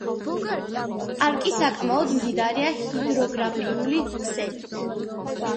პარკი საკამოდ მდიდარია ჰიდროგრაფიული ქსელით.